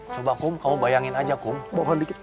coba kum kamu bayangin aja kum